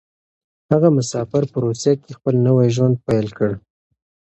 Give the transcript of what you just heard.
هغه مسافر په روسيه کې خپل نوی ژوند پيل کړ.